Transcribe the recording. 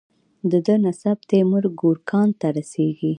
د ده نسب تیمور ګورکان ته رسیږي.